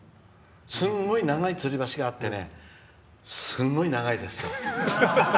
すんごい長いつり橋があってすんごい長いです。